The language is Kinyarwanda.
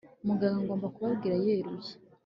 muganga agomba kubabwira yeruye